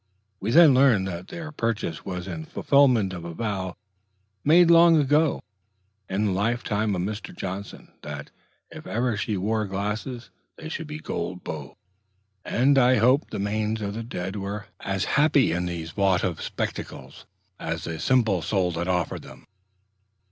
We then learned that their purchase was in fulfilment of a vow made long ago, in the life time of Mr. Johnson, that, if ever she wore glasses, they should be gold bowed; and I hope the manes of the dead were half as happy in these votive spectacles as the simple soul that offered them.